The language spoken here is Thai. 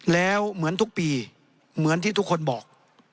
แล้วเหมือนทุกปีเหมือนที่ทุกคนบอก